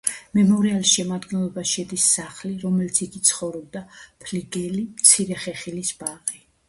მემორიალის შემადგენლობაში შედის სახლი, რომელშიც იგი ცხოვრობდა, ფლიგელი, მცირე ხეხილის ბაღი.